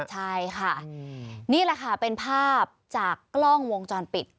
ใช่ค่ะนี่แหละค่ะเป็นภาพจากกล้องวงจรปิด